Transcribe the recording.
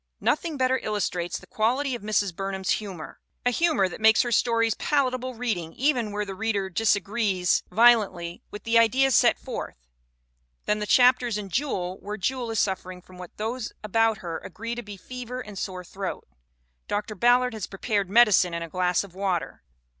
Nothing better illustrates the quality of Mrs. Burn ham's humor a humor that makes her stories palat able reading even where the reader disagrees vio CLARA LOUISE BURNHAM 279 lently with the ideas set forth than the chapters in Jewel where Jewel is suffering from what those about her agree to be fever and sore throat. Dr. Ballard has prepared medicine in a glass of water.